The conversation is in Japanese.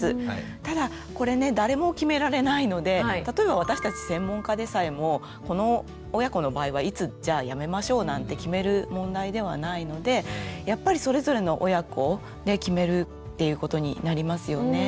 ただこれね誰も決められないので例えば私たち専門家でさえもこの親子の場合はいつじゃあやめましょうなんて決める問題ではないのでやっぱりそれぞれの親子で決めるっていうことになりますよね。